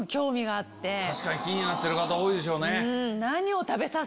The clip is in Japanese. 確かに気になってる方多いでしょうね。